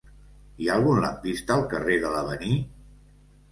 Hi ha algun lampista al carrer de l'Avenir?